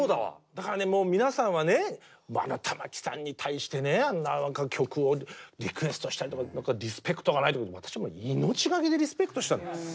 だから皆さんはね玉置さんに対してねあんな曲をリクエストしたりリスペクトがないとか私は命がけでリスペクトしたんです。